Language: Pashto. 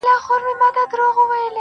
میاشته کېږي بې هویته، بې فرهنګ یم